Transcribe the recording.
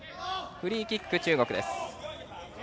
フリーキック、中国です。